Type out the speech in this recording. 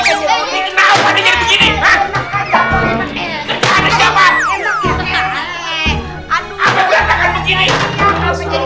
kenapa jadi begini